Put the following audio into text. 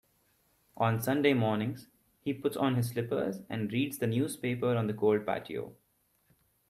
On Sunday mornings, he puts on his slippers and reads the newspaper on the cold patio.